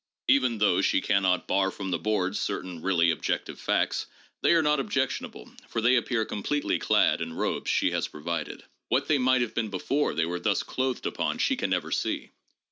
Even though she cannot bar from the boards certain really ob jective facts, they are not objectionable, for they appear com pletely clad in robes she has provided. What they might have been before they were thus clothed upon she can never see.